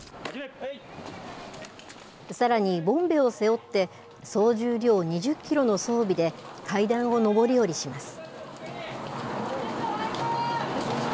さらにボンベを背負って、総重量２０キロの装備で、階段を上り下りします。